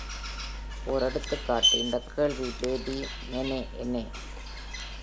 ஓர் எடுத்துக்காட்டு, இந்தக் கேள்வி: பெ ‘டி நெனெ எனெ?